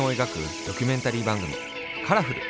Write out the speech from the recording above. ドキュメンタリーばんぐみ「カラフル！」。